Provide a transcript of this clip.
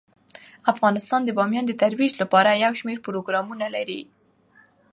افغانستان د بامیان د ترویج لپاره یو شمیر پروګرامونه لري.